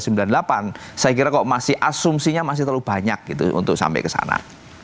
saya kira kok masih asumsinya masih terlalu banyak untuk sampai ke sana